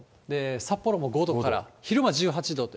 札幌も５度から、昼間１８度で。